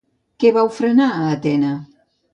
Què va ofrenar a Atena?